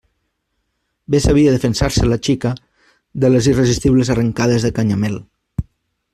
Bé sabia defensar-se la xica de les irresistibles arrancades de Canyamel!